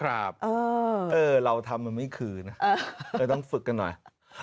ครับเออเราทำมันไม่คืนต้องฝึกกันหน่อย